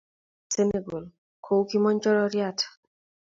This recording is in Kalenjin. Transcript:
kikimut emet ab senegal kou kimonjororiat